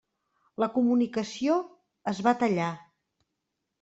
La comunicació es va tallar.